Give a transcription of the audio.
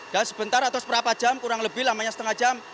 dan sebentar atau seberapa jam kurang lebih lamanya setengah jam